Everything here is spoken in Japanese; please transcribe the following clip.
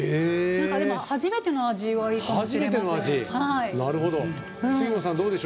初めての味わいかもしれません。